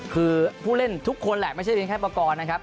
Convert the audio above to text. คือผู้เล่นทุกคนแหละไม่ใช่เพียงแค่ประกอบนะครับ